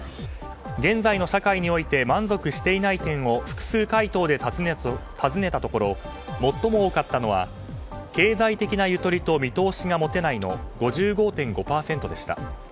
現在の社会において満足していない点を複数回答で尋ねたところ最も多かったのは経済的なゆとりと見通しが持てないの５５．５％でした。